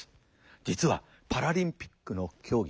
実はパラリンピックの競技